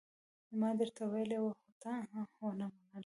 ما درته ويلي وو، خو تا ونه منله.